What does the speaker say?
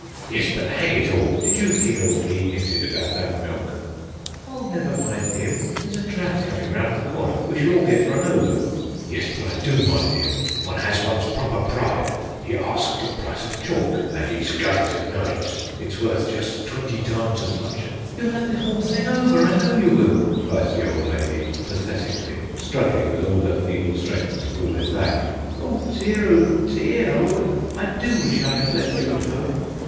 "Yes, but hang it all; did you hear what he hinted about our milk?" "Oh, never mind him! There's a tram coming round the corner: we shall all get run over." "Yes, but I do mind him; one has one's proper pride. He asked the price of chalk, and he's going to know it! It's worth just twenty times as much " "You'll have the whole thing over, I know you will," cries the old lady, pathetically, struggling with all her feeble strength to haul him back. "Oh dear, oh dear! I do wish I had left you at home."